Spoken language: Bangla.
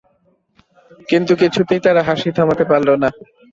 কিন্তু কিছুতেই তারা হাসি থামাতে পারল না।